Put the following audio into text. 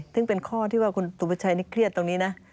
ซึ่งเป็นข้อที่ว่าคุณสุประชัยนี่เครียดตรงนี้นะ